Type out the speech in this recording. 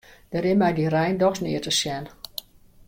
Der is mei dy rein dochs neat te sjen.